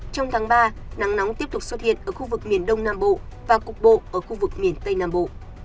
trong tháng ba nắng nóng tiếp tục xuất hiện ở khu vực miền đông nam bộ và cục bộ ở khu vực miền tây nam bộ